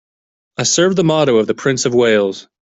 I serve the motto of the Prince of Wales.